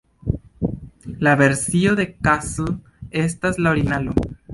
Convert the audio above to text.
La versio de Castle estas la originalo.